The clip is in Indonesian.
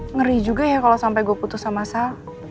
ngeri juga ya kalau sampai gue putus sama saya